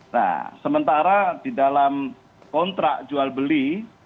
nah sementara di dalam kontrak jual beli